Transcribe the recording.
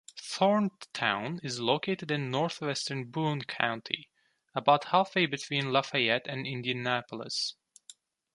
Thorntown is located in northwestern Boone County, about halfway between Lafayette and Indianapolis.